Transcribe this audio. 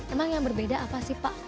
emang yang berbeda apa sih pak